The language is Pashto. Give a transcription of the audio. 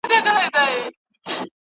پلوشه